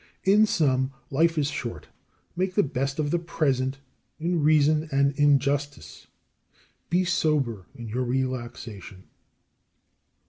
In sum, life is short. Make the best of the present in reason and in justice. Be sober in your relaxation.